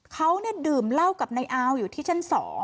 เขาดื่มเหล้ากับนายอาวอยู่ที่ชั้น๒